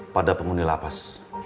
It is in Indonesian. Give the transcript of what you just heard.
pada penghuni lapas